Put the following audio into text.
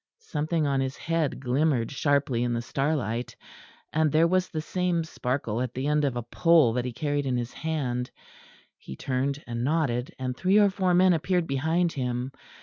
Something on his head glimmered sharply in the starlight; and there was the same sparkle at the end of a pole that he carried in his hand; he turned and nodded; and three or four men appeared behind him.